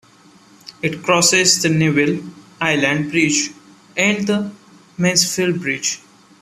It crosses the Neville Island Bridge and the Mansfield Bridge.